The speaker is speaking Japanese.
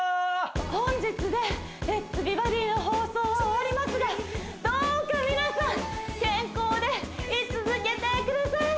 本日で「レッツ！美バディ」の放送は終わりますがどうか皆さん健康でい続けてください